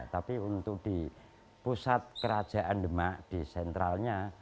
tapi untuk di pusat kerajaan demak di sentralnya